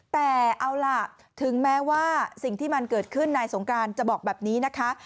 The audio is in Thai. แต่เอาล่ะถึงแม้ว่าสิ่งที่มันเกิดขึ้นนายสงการจะบอกแบบนี้นะคะ